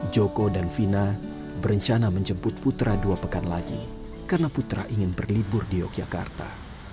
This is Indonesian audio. joko dan vina berencana menjemput putra dua pekan lagi karena putra ingin berlibur di yogyakarta